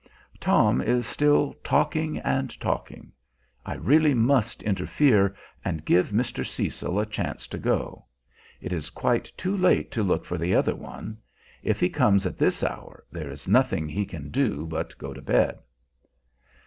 Tom is still talking and talking. I really must interfere and give Mr. Cecil a chance to go. It is quite too late to look for the other one. If he comes at this hour, there is nothing he can do but go to bed.